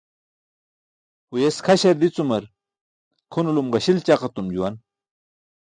Huyes kʰaśar dicumar kʰunulum ġaśil ćaq etum juwan.